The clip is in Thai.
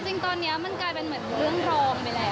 จริงตอนนี้มันกลายเป็นเหมือนเรื่องรองไปแล้ว